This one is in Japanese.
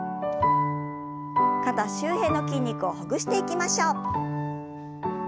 肩周辺の筋肉をほぐしていきましょう。